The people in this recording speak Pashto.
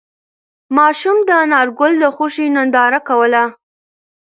ماشوم د انارګل د خوښۍ ننداره کوله.